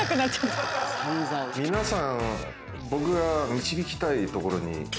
皆さん。